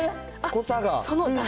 濃さが。